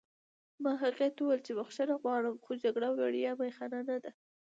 ما هغې ته وویل چې بښنه غواړم خو جګړه وړیا می خانه نه ده